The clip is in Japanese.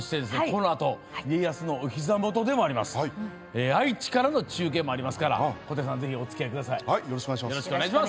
このあと、家康のおひざ元でもあります愛知からの中継もありますから小手さん、どうぞおつきあいください。